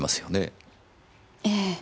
ええ。